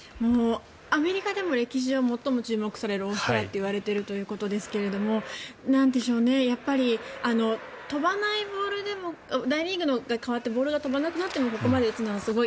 アメリカでも歴史上最も注目されるオールスターということですがやっぱり飛ばないボールでも大リーグが変わってボールが飛ばなくなってもここまで打つのはすごい。